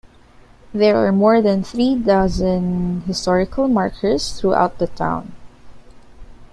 There are more than three dozen historical markers throughout the town.